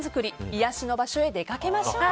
癒やしの場所へ出かけましょう。